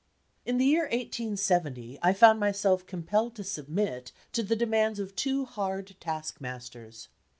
In the year 1870 I found myself compelled to submit to the demands of two hard task masters.